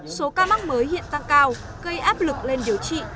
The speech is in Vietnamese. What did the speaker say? số ca mắc mới hiện tăng cao gây áp lực lên điều trị